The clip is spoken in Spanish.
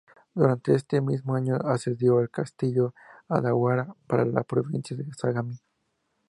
Durante este mismo año asedió el castillo Odawara en la Provincia de Sagami.